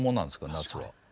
夏は。